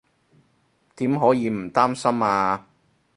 點可以唔擔心啊